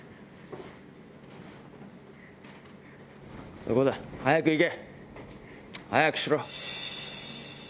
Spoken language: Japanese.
そこだ！早く行け。早くしろ。